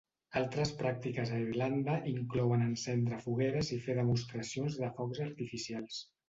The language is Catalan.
Altres pràctiques a Irlanda inclouen encendre fogueres i fer demostracions de focs artificials.